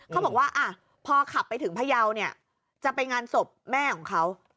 เขาบอกว่าพอขับไปถึงพยาวเนี่ยจะไปงานศพแม่ของเขา